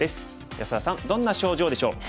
安田さんどんな症状でしょう？